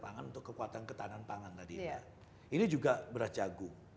nah ini juga beras jagung